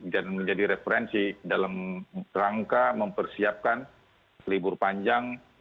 dan menjadi referensi dalam rangka mempersiapkan libur panjang